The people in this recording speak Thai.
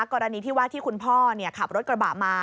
กรณีที่ว่าที่คุณพ่อขับรถกระบะมา